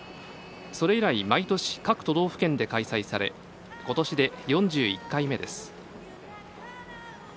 それ以来、毎年各都道府県で開催され今年で４１回目です。